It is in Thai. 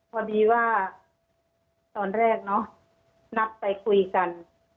พอดีว่าตอนแรกเนอะนัดไปคุยกัน